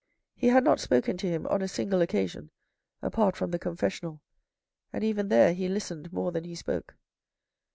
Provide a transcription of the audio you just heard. He had not spoken to him on a single occasion apart from the confessional, and even there he listened more than he spoke.